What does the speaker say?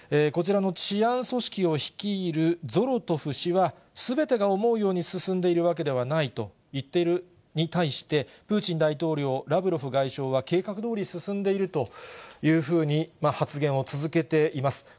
こちらの治安組織を率いるゾロトフ氏は、すべてが思うように進んでいるわけではないと言っているのに対して、プーチン大統領、ラブロフ外相は計画どおり進んでいるというふうに発言を続けています。